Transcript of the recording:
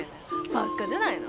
バッカじゃないの？